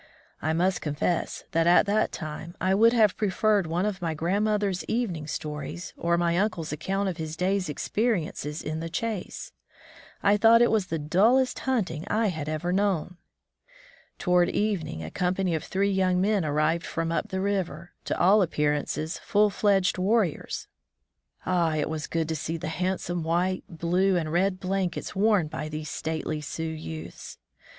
I must confess that at that time I would have preferred one of grandmother's evening stories, or my uncle's account of his day's experiences in the chase. I thought it was the dullest himting I had ever known! Toward evening a company of three yoimg men arrived from up the river — to all appearance full fledged warriors. Ah, it was good to see the handsome white, blue, and red blankets worn by these stately Sioux youths!